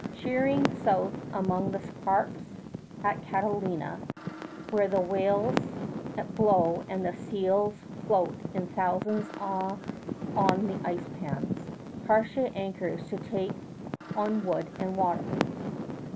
Sheering south among the scarps at Catalina, where the whales blow and the seals float in thousands on the ice pans, Cartier anchors to take on wood and water.